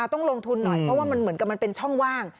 ต้องลงทุนหน่อยเพราะว่ามันเหมือนกับมันเป็นช่องว่าง